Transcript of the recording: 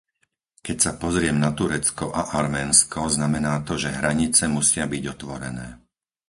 Keď sa pozriem na Turecko a Arménsko, znamená to, že hranice musia byť otvorené.